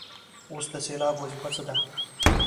اوس د سېلاب وظیفه څه ده.